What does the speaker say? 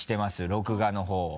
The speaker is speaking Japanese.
録画の方を。